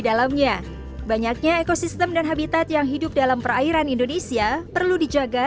dalamnya banyaknya ekosistem dan habitat yang hidup dalam perairan indonesia perlu dijaga